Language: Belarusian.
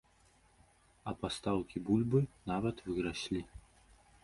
А пастаўкі бульбы нават выраслі.